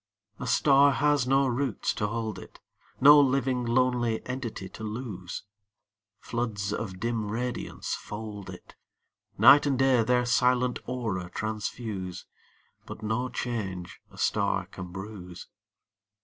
A star has do roots to hold it, No living lonely entity to lose. Floods of dim radiance fold it ; Night and day their silent aura transfuse, But no change a star oan bruise.